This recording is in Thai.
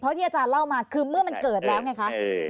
ที่อาจารย์เล่ามาคือเมื่อมันเกิดแล้วไงคะ